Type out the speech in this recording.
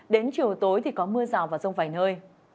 đến chiều tối thì có mưa rào và rông vài nơi